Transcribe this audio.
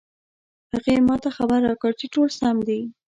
هغې ما ته خبر راکړ چې ټول سم دي